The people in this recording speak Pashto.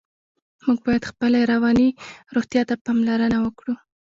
موږ باید خپلې رواني روغتیا ته پاملرنه وکړو.